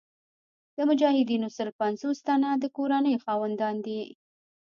د مجاهدینو سل پنځوس تنه د کورنۍ خاوندان دي.